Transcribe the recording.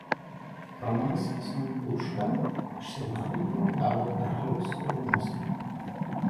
Romanas Sanguška išsilavinimą gavo karaliaus rūmuose.